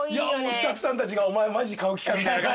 スタッフさんたちがお前マジ買う気かみたいな感じ。